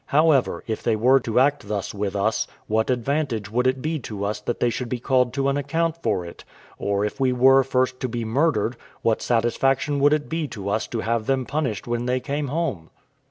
However, if they were to act thus with us, what advantage would it be to us that they should be called to an account for it? or if we were first to be murdered, what satisfaction would it be to us to have them punished when they came home?